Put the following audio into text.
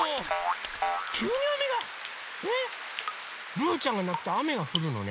ルーちゃんがなくとあめがふるのね。